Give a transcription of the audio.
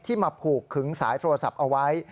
มาผูกขึงสายโทรศัพท์เอาไว้